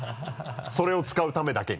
それを使うためだけに。